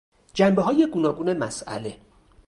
جنبههای گوناگون مسئله